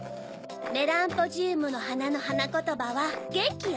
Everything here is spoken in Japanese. メランポジウムのはなのはなことばは「ゲンキ」よ。